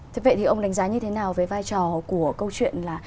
thế vậy thì ông đánh giá như thế nào về vai trò của câu chuyện là